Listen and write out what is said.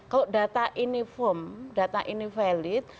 kalau data ini firm data ini valid